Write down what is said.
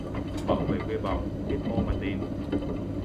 Bậu về quê bậu, biết mô mà tìm